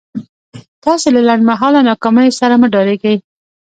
تاسې له لنډ مهاله ناکاميو سره مه ډارېږئ.